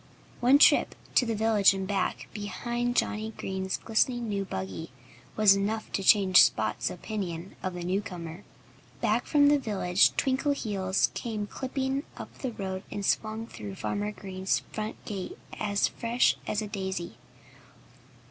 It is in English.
One trip to the village and back, behind Johnnie Green's glistening new buggy, was enough to change Spot's opinion of the newcomer. Back from the village Twinkleheels came clipping up the road and swung through Farmer Green's front gate as fresh as a daisy.